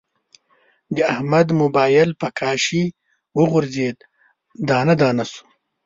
د احمد مبایل په کاشي و غورځید، دانه دانه شو.